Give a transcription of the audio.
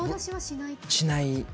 しない。